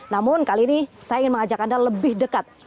namun kali ini saya ingin mengajak anda lebih dekat